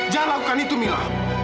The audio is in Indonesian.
jangan lakukan itu mila